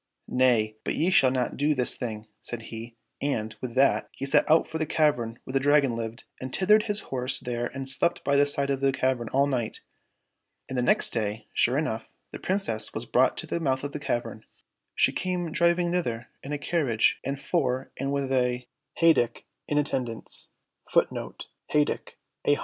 —" Nay, but ye shall not do this thing," said he, and, with that, he set out for the cavern where the Dragon lived, and tethered his horse there and slept by the side of the cavern all night. And the next day, sure enough, the Princess was brought to the mouth of the cavern. She came driv ing thither in a carriage and four and with a heyduck^ in attendance.